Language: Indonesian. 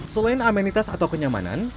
selain aminitas atau kenyamanan